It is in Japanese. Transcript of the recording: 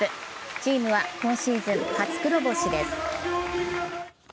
チームは今シーズン初黒星です。